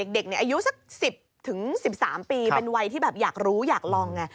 เด็กอายุสัก๑๐๑๓ปีเป็นวัยที่แบบอยากรู้อยากลองไง